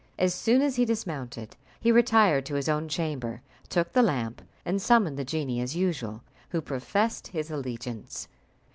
As soon as he dismounted, he retired to his own chamber, took the lamp, and summoned the genie as usual, who professed his allegiance.